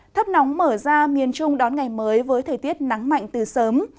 thấp nóng mở ra miền trung đón ngày mới với thời tiết nắng mạnh từ sớm